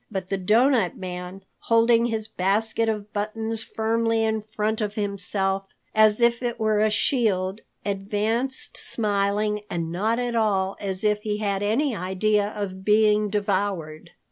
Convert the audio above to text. But the Doughnut Man, holding his basket of buttons firmly in front of himself as if it were a shield, advanced smiling and not at all as if he had any idea of being devoured.